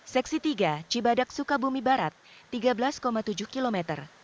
seksi tiga cibadak sukabumi barat tiga belas tujuh km